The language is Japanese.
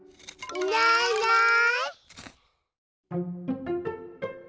いないいない。